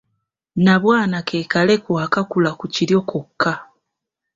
Nnabwana ke kaleku akakula ku kiryo kokka.